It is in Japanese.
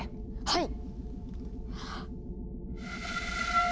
はい。